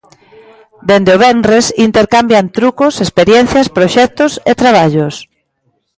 Dende o venres, intercambian trucos, experiencias, proxectos e traballos.